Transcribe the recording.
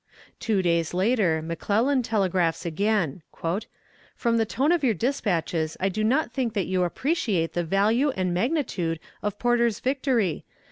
Two days later McClellan telegraphs again: "From the tone of your despatches I do not think that you appreciate the value and magnitude of Porter's victory.